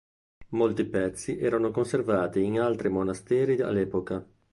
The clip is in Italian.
Molti pezzi erano conservati in altri monasteri all'epoca.